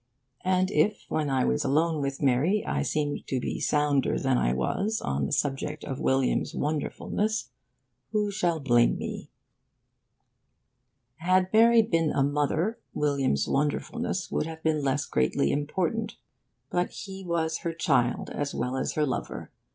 And if, when I was alone with Mary, I seemed to be sounder than I was on the subject of William's wonderfulness, who shall blame me? Had Mary been a mother, William's wonderfulness would have been less greatly important. But he was her child as well as her lover.